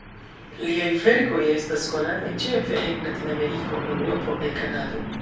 Liaj verkoj estas konataj ĉefe en Latinameriko, Eŭropo kaj Kanado.